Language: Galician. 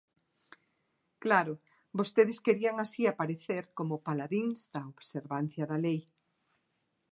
Claro, vostedes querían así aparecer como paladíns da observancia da lei.